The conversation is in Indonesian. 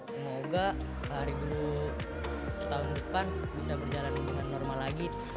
semoga tahun depan bisa berjalan dengan normal lagi